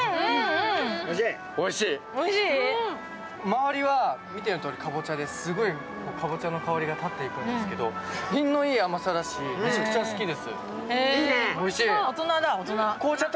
まわりは見ての通りカボチャですごいかぼちゃの香りが立ってるんですけど、品のいい甘さだし、めちゃくちゃ好きです。